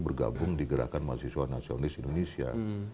bergabung di gerakan mahasiswa nasionalis indonesia